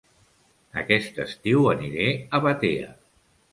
Aquest estiu aniré a Batea